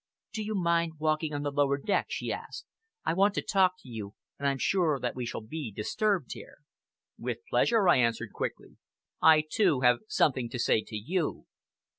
"Do you mind walking on the lower deck?" she asked. "I want to talk to you, and I am sure that we shall be disturbed here." "With pleasure!" I answered quickly. "I, too, have something to say to you."